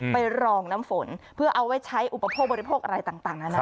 รองน้ำฝนเพื่อเอาไว้ใช้อุปโภคบริโภคอะไรต่างนานา